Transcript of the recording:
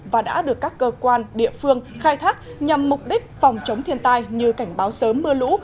và đã được các cơ quan địa phương khai thác nhằm mục đích phòng chống thiên tai như cảnh báo sớm mưa lũ